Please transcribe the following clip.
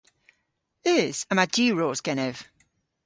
Eus. Yma diwros genev.